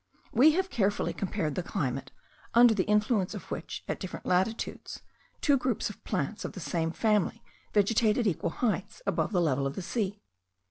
We have carefully compared the climate, under the influence of which, at different latitudes, two groups of plants of the same family vegetate at equal heights above the level of the sea.